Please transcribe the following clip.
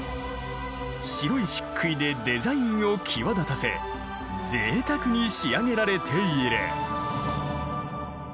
白い漆喰でデザインを際立たせぜいたくに仕上げられている。